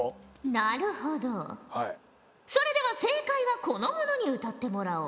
なるほどそれでは正解はこの者に歌ってもらおう。